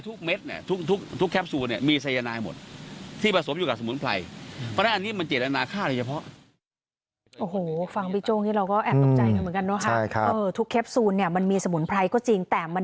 ทุกแคปซูลเนี่ยมีไซยานายหมด